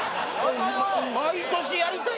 毎年やりたい？